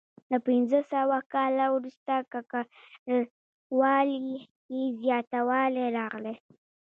له پنځه سوه کال وروسته ککړوالي کې زیاتوالی راغلی.